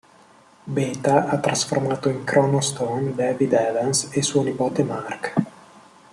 Beta ha trasformato in Chrono Stone David Evans e suo nipote Mark.